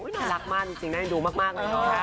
น่ารักมากจริงน่าจะดูมาก